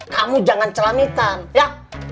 kamu jangan selamitan ya